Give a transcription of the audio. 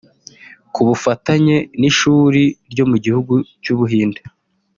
Ku bufatanye n’ishuri ryo mu gihugu cy’u Buhinde